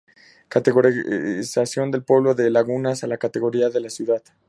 Categorización del Pueblo de Lagunas a la categoría de Ciudad.